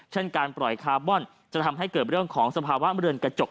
การปล่อยคาร์บอนจะทำให้เกิดเรื่องของสภาวะเรือนกระจก